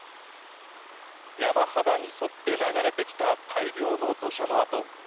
山肌に沿って流れてきた大量の土砂の跡。